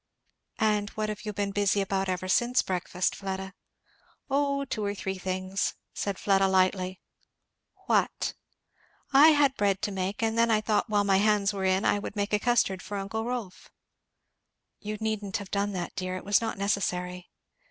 "And what have you been busy about ever since breakfast, Fleda?" "O two or three things," said Fleda lightly. "What?" "I had bread to make and then I thought while my hands were in I would make a custard for uncle Rolf." "You needn't have done that, dear! it was not necessary."